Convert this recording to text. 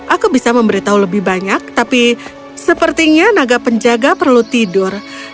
aku bisa memberitahu lebih banyak tapi sepertinya naga penjaga perlu tidur